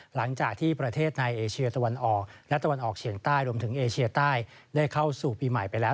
หลังจากที่ประเทศในเอเชียตะวันออกและตะวันออกเฉียงใต้รวมถึงเอเชียใต้ได้เข้าสู่ปีใหม่ไปแล้ว